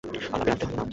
আলাপের আদিতে হল নাম।